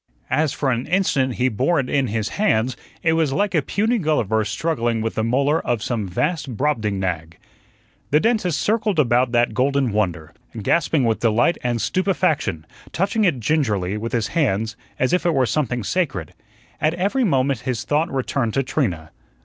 As for an instant he bore it in his hands, it was like a puny Gulliver struggling with the molar of some vast Brobdingnag. The dentist circled about that golden wonder, gasping with delight and stupefaction, touching it gingerly with his hands as if it were something sacred. At every moment his thought returned to Trina.